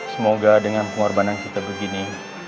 semoga dengan pengorbanan kita begini